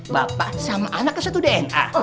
bapak sama anak ke satu dna